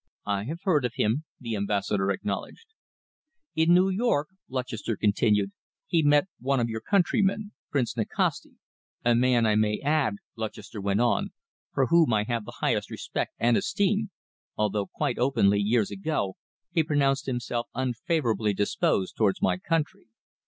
"I have heard of him," the Ambassador acknowledged. "In New York," Lutchester continued, "he met one of your countrymen, Prince Nikasti, a man, I may add," Lutchester went on, "for whom I have the highest respect and esteem, although quite openly, years ago, he pronounced himself unfavourably disposed towards my country.